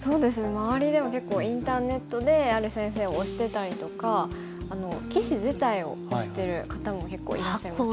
周りでも結構インターネットである先生を推してたりとか棋士自体を推してる方も結構いらっしゃいますよね。